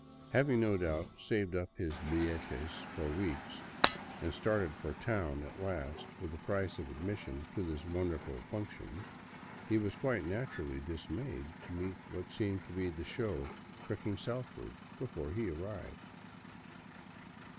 Having, no doubt, saved up his billetes for weeks and started for town at last with the price of admission to this wonderful " function," he was quite naturally dismayed to meet what seemed to be the show treking southward before he arrived.